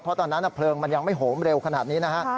เพราะตอนนั้นเพลิงมันยังไม่โหมเร็วขนาดนี้นะฮะ